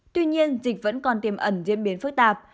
tuy nhiên dịch vẫn còn tiềm ẩn diễn biến phức tạp